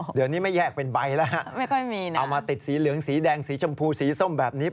เดี๋ยวนี้ไม่แยกเป็นใบแล้วฮะไม่ค่อยมีนะเอามาติดสีเหลืองสีแดงสีชมพูสีส้มแบบนี้